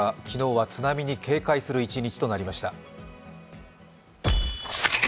昨日は津波に警戒する一日となりました。